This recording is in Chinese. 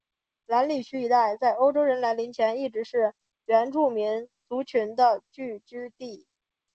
兰里区一带在欧裔人来临前一直是原住民族群的聚居地。